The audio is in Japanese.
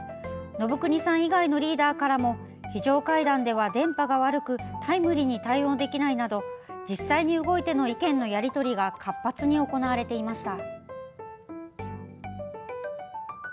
信國さん以外のリーダーからも非常階段では、電波が悪くタイムリーに対応できないなど実際に動いての意見のやりとりが活発に行われていました。